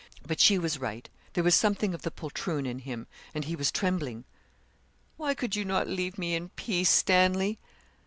But she was right; there was something of the poltroon in him, and he was trembling. 'Why could you not leave me in peace, Stanley?'